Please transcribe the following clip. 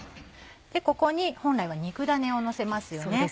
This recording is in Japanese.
ここに本来は肉だねをのせますよね。